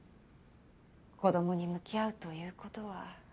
子どもに向き合うという事は。